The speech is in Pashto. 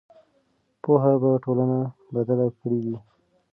پوهه به ټولنه بدله کړې وي.